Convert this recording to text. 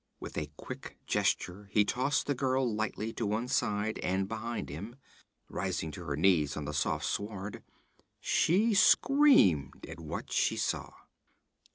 With a quick gesture he tossed the girl lightly to one side and behind him. Rising to her knees on the soft sward, she screamed at what she saw.